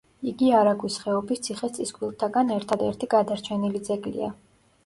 იგი არაგვის ხეობის ციხე-წისქვილთაგან ერთადერთი გადარჩენილი ძეგლია.